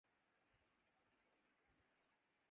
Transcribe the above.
ایسی نماز سے گزر ، ایسے امام سے گزر